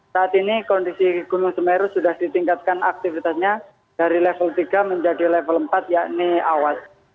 saat ini kondisi gunung semeru sudah ditingkatkan aktivitasnya dari level tiga menjadi level empat yakni awas